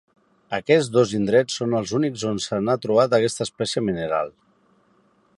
Aquests dos indrets són els únics on se n'ha trobat aquesta espècie mineral.